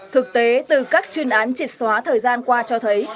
thực tế từ các chuyên án trịt xóa thời gian qua cho thấy